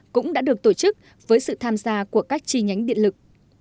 cũng đã được tổ chức với sự tham gia của các chi nhánh điện lực